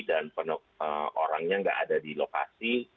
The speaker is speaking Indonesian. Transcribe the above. dan orangnya tidak ada di lokasi